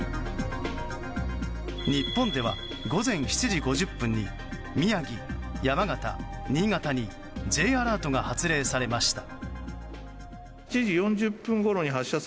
日本では午前７時５０分に宮城、山形、新潟にＪアラートが発令されました。